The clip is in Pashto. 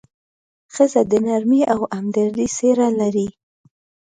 ښځه د نرمۍ او همدردۍ څېره لري.